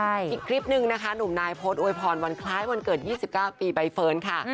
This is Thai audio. อีกคลิปนึงนะคะหนุ่มนายโพสต์อวยพรวันคล้ายวันเกิด๒๙ปีใบเฟิร์นค่ะ